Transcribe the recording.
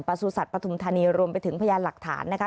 สูจัตว์ปฐุมธานีรวมไปถึงพยานหลักฐานนะคะ